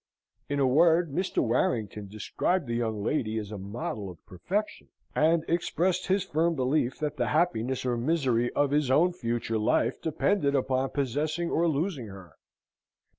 In a word, Mr. Warrington described the young lady as a model of perfection, and expressed his firm belief that the happiness or misery of his own future life depended upon possessing or losing her.